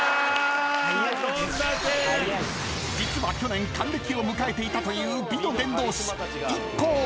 ［実は去年還暦を迎えていたという美の伝道師］